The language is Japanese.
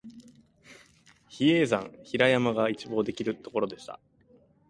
比叡山、比良山が一望できるところでした